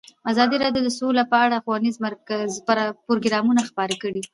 ازادي راډیو د سوله په اړه ښوونیز پروګرامونه خپاره کړي.